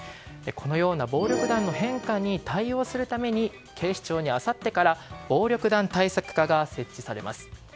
このような暴力団の変化に対応するために警視庁にあさってから暴力団対策課が設置されます。